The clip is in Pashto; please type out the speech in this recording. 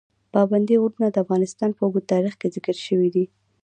پابندي غرونه د افغانستان په اوږده تاریخ کې ذکر شوي دي.